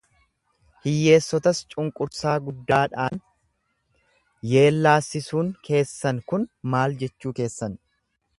Hiyyeessotas cunqursaa guddaadhaan yeellaasisuun keessan kun maal jechuu keessan.